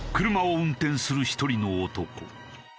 車を運転する１人の男。